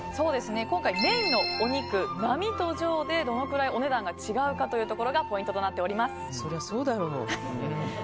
今回メインのお肉、並と上でどのぐらいお値段が違うかというところがポイントとなっております。